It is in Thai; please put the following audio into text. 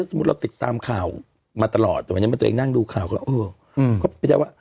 สมมุติเราติดตามข่าวมาตลอดแต่วันนี้ตัวเองนั่งดูข่าวเขาว่าเออ